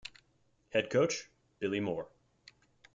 Head Coach: Billie Moore.